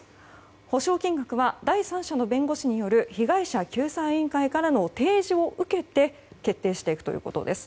補償金額は第三者の弁護士による被害者救済委員会の提示を受けて決定していくということです。